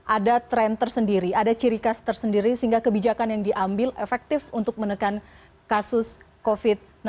ada tren tersendiri ada ciri khas tersendiri sehingga kebijakan yang diambil efektif untuk menekan kasus covid sembilan belas